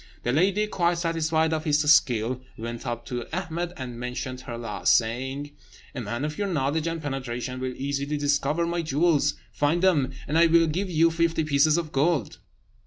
The lady, quite satisfied of his skill, went up to Ahmed and mentioned her loss, saying: "A man of your knowledge and penetration will easily discover my jewels; find them, and I will give you fifty pieces of gold."